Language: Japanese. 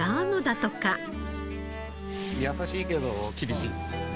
優しいけど厳しいです。